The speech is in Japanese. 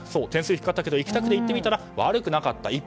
点数低かったけど行きたくて行ってみたら悪くなかった。